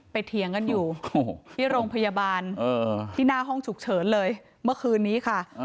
เถียงกันอยู่ที่โรงพยาบาลที่หน้าห้องฉุกเฉินเลยเมื่อคืนนี้ค่ะ